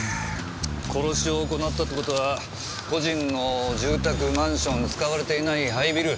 殺しを行ったって事は個人の住宅マンション使われていない廃ビル。